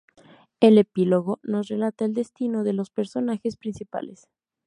El "epílogo" nos relata el destino de los personajes principales.